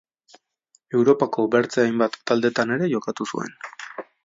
Europako beste hainbat taldetan ere jokatu zuen.